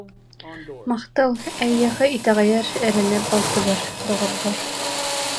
Махтал, эйиэхэ итэҕэйэр, эрэнэр балтыбар, доҕорбор